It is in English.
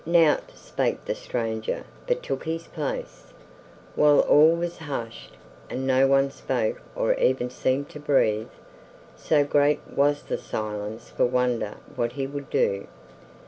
Nought spake the stranger but took his place, while all was hushed, and no one spoke or even seemed to breathe, so great was the silence for wonder what he would do.